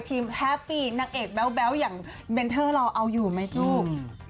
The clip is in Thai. แฮปปี้นางเอกแบ๊วอย่างเมนเทอร์เราเอาอยู่ไหมลูก